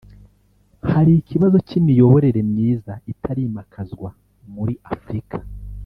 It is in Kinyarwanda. hari ikibazo cy’imiyoborere myiza itarimakwazwa muri Afurika